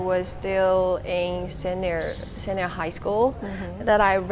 dan ketika saya masih di sekolah senior